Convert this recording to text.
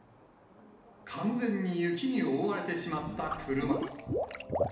完全に雪に覆われてしまった車。